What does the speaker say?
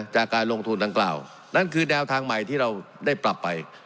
จากการลงทุนดังกล่าวนั่นคือแนวทางใหม่ที่เราได้ปรับไป